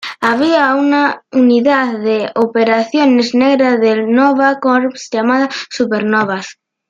Había una unidad de operaciones negra del Nova Corps llamada Supernovas.